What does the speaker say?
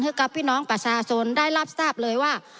ให้กับพี่น้องประชาชนได้รับทราบเลยว่า